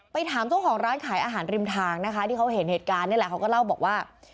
ถามเจ้าของร้านขายอาหารริมทางนะคะที่เขาเห็นเหตุการณ์นี่แหละเขาก็เล่าบอกว่า